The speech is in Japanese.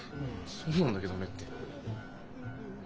「そうなんだけどね」って？